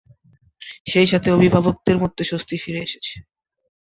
সেই সাথে অভিভাবকদের মধ্যে স্বস্তি ফিরে এসেছে।